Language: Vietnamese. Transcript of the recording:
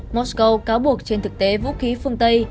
mosco cáo buộc trên thực tế vũ khí phương tây